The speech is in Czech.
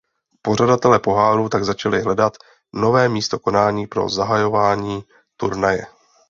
Pořadatelé poháru tak začali hledat nové místo konání pro zachování turnaje.